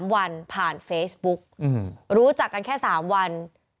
๓วันผ่านเฟซบุ๊กรู้จักกันแค่๓วัน